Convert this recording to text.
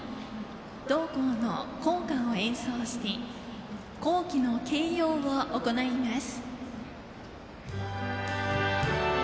同校の校歌を演奏して校旗の掲揚を行います。